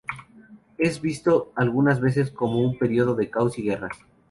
Es visto algunas veces como un periodo de caos y guerras.